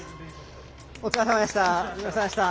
お疲れさまでした。